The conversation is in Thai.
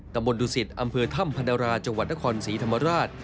บนดุสิตอำเภอถ้ำพนราจังหวัดนครศรีธรรมราช